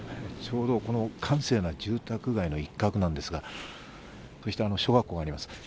ちょうど閑静な住宅街の一角なんですが、小学校があります。